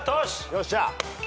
よっしゃ。